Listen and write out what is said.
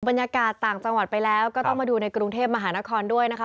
บรรยากาศต่างจังหวัดไปแล้วก็ต้องมาดูในกรุงเทพมหานครด้วยนะคะ